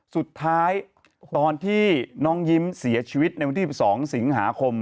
สุดท้ายตอนที่น้องยิ้มเสียชีวิตในวันที่๑๒สิงหาคม